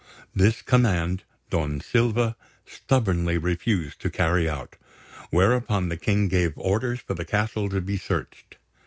This command Don Silva stubbornly refused to carry out; whereupon the King gave orders for the castle to be searched.